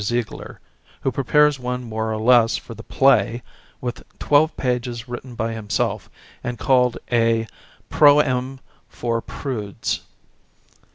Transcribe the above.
Ziegler, who prepares one, more or less, for the play" with twelve pages written by himself and called *'A Proem for Prudes."